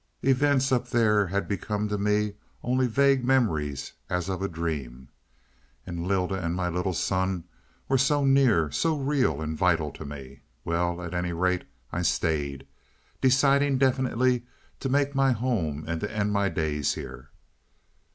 Events up there had become to me only vague memories as of a dream. And Lylda and my little son were so near, so real and vital to me. Well, at any rate I stayed, deciding definitely to make my home and to end my days here."